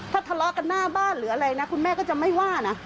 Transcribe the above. ถ้าทะเลาะกันหน้าบ้านหรืออะไรนะคุณแม่ก็จะไม่ว่านะ